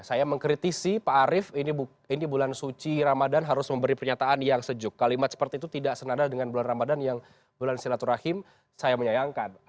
saya mengkritisi pak arief ini bulan suci ramadan harus memberi pernyataan yang sejuk kalimat seperti itu tidak senada dengan bulan ramadan yang bulan silaturahim saya menyayangkan